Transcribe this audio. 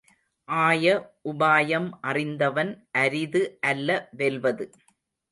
ஆய உபாயம் அறிந்தவன், அரிது அல்ல வெல்வது.